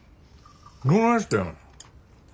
どないしてん？